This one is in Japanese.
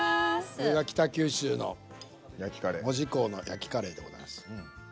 これが北九州の門司港の焼きカレーでございます。